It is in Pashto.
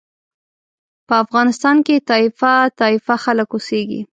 په افغانستان کې طایفه طایفه خلک اوسېږي.